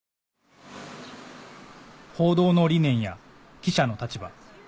報道の理念や記者の立場